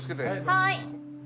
はい。